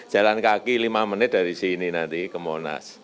jalan kaki lima menit dari sini nanti ke monas